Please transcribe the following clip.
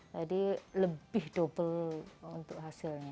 jadi lebih double untuk hasilnya